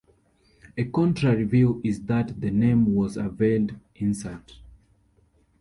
A contrary view is that the name was a veiled insult.